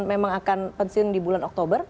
memang akan pensiun di bulan oktober